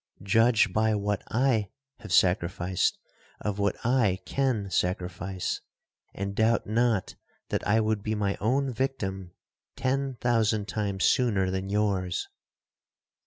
Judge by what I have sacrificed, of what I can sacrifice—and doubt not that I would be my own victim ten thousand times sooner than yours!'